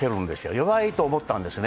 弱いと思ったんですね。